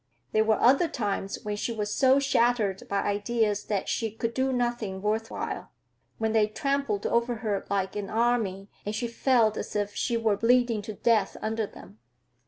There were other times when she was so shattered by ideas that she could do nothing worth while; when they trampled over her like an army and she felt as if she were bleeding to death under them.